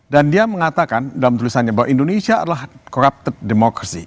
dia mengatakan dalam tulisannya bahwa indonesia adalah corrupted demokrasi